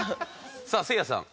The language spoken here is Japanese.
さあせいやさん。